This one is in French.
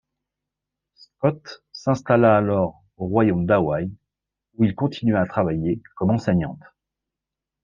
Scott s'installa alors au royaume d'Hawaï où il continua à travailler comme enseignante.